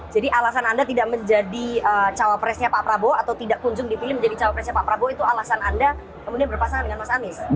jadi alasan anda tidak menjadi cowok presnya pak prabowo atau tidak kunjung di pilih menjadi cowok presnya pak prabowo itu alasan anda kemudian berpasangan dengan mas anies